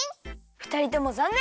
ふたりともざんねん！